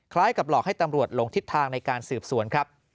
กับหลอกให้ตำรวจลงทิศทางในการสืบสวนครับ